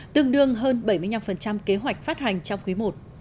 tương đương hơn bảy mươi năm kế hoạch phát hành trong quý i